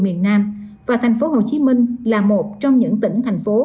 chiến trường miền nam và thành phố hồ chí minh là một trong những tỉnh thành phố